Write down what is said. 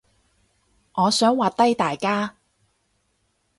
我想畫低大家